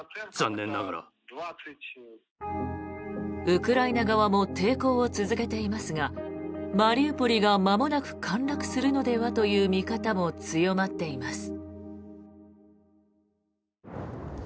ウクライナ側も抵抗を続けていますがマリウポリがまもなく陥落するのではという見方も強まっています。